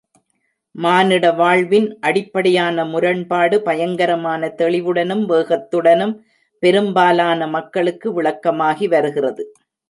மானிட வாழ்வின் அடிப்படையான முரண்பாடு பயங்கரமான தெளிவுடனும், வேகத்துடனும் பெரும்பாலான மக்களுக்கு விளக்கமாகி வருகிறது.